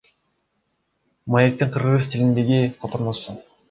Маектин кыргыз тилиндеги котормосу.